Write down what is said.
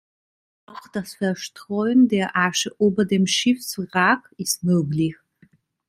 Auch das Verstreuen der Asche über dem Schiffswrack ist möglich.